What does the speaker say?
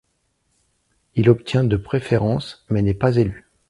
Il obtient de préférence mais n'est pas élu.